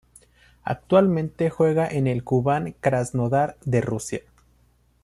Actualmente juega en el Kubán Krasnodar de Rusia.